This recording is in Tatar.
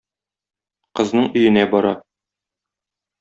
Кызның өенә бара.